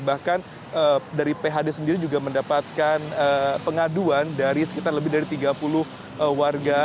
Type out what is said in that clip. bahkan dari phd sendiri juga mendapatkan pengaduan dari sekitar lebih dari tiga puluh warga